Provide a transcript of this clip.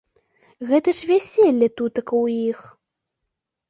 Гэта ж вяселле тутака ў іх.